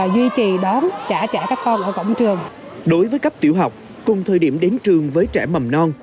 đối với cấp tiểu học cùng thời điểm đến trường với trẻ mầm non